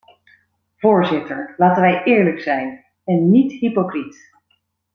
Voorzitter, laten wij eerlijk zijn en niet hypocriet.